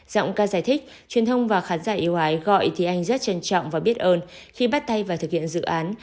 giọng ca giải thích truyền thông và khán giả yêu ái gọi thì anh rất trân trọng và biết ơn khi bắt tay và thực hiện dự án